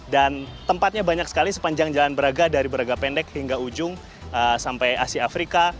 dan tempatnya banyak sekali sepanjang jalan braga dari braga pendek hingga ujung sampai asia afrika